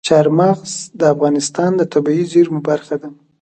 چار مغز د افغانستان د طبیعي زیرمو برخه ده.